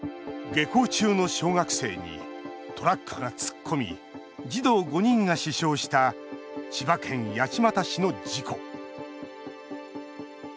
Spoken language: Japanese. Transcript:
下校中の小学生にトラックが突っ込み児童５人が死傷した千葉県八街市の事故。